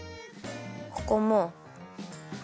ここも。